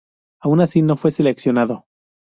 Aun así, no fue seleccionado.